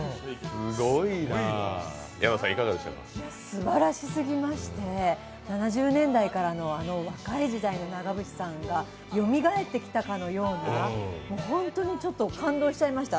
すばらしすぎまして、７０年代からあの若い時代の長渕さんがよみがえってきたかのようなホントにちょっと感動しちゃいました。